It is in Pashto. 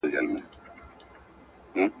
تر هغه چې مسوولیت ومنل شي، پړه به زیاته نه شي.